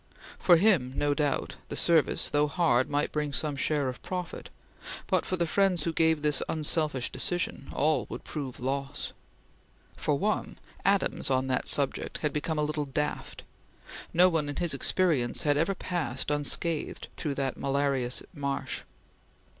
For him, no doubt, the service, though hard, might bring some share of profit, but for the friends who gave this unselfish decision, all would prove loss. For one, Adams on that subject had become a little daft. No one in his experience had ever passed unscathed through that malarious marsh.